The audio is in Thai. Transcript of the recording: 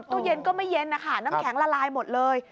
ตู้เย็นก็ไม่เย็นนะคะน้ำแข็งละลายหมดเลย